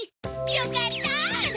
よかったの！